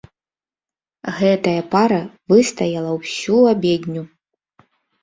Гэтая пара выстаяла ўсю абедню.